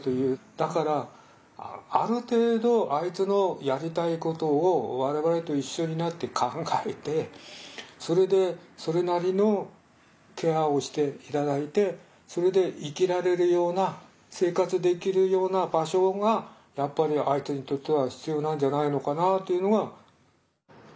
だからある程度あいつのやりたいことを我々と一緒になって考えてそれでそれなりのケアをして頂いてそれで生きられるような生活できるような場所がやっぱりあいつにとっては必要なんじゃないのかなというのが。